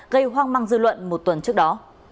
gây hoang măng dư luận một tuần trước đó